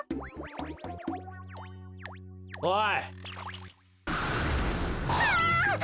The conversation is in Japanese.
おい！